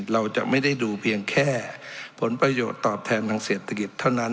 เราจะไม่ได้ดูเพียงแค่ผลประโยชน์ตอบแทนทางเศรษฐกิจเท่านั้น